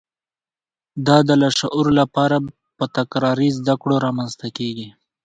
دا د لاشعور لپاره په تکراري زده کړو رامنځته کېږي